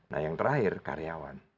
nah yang terakhir karyawan